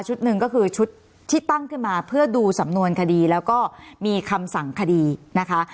หนึ่งก็คือชุดที่ตั้งขึ้นมาเพื่อดูสำนวนคดีแล้วก็มีคำสั่งคดีนะคะ